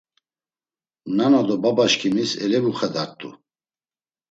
Nana do babaşǩimis elevuxedart̆u.